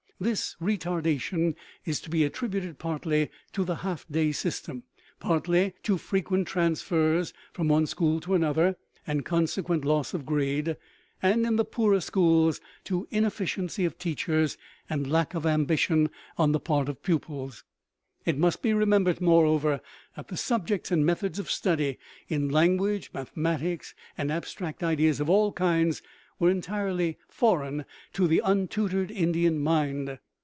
This retardation is to be attributed partly to the half day system; partly to frequent transfers from one school to another, and consequent loss of grade; and in the poorer schools to inefficiency of teachers and lack of ambition on the part of pupils. It must be remembered, moreover, that the subjects and methods of study, in language, mathematics, and abstract ideas of all kinds, were entirely foreign to the untutored Indian mind.